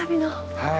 はい。